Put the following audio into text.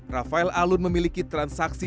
rafael alun memiliki transaksi